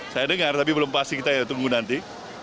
saya dengar tapi belum pasti kita tunggu nanti